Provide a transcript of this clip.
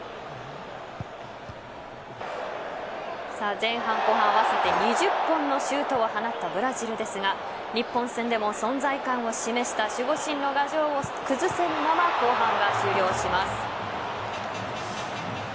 前半後半合わせて２０本のシュートを放ったブラジルですが日本戦でも存在感を示した守護神の牙城を崩せぬまま後半が終了します。